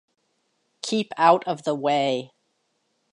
Keep out of the way.